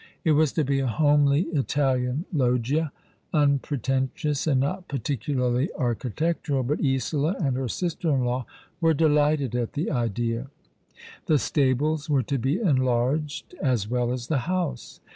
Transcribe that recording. It was to bo a homely Italian I IT4 All along the River, loggia — iinpreteutioTis, and not particularly architectural; but Isola and lier sister in law were delighted at the idea. The stables were to be enlarged as well as the house.